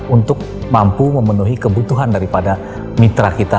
untuk mampu memenuhi kebutuhan daripada mitra kita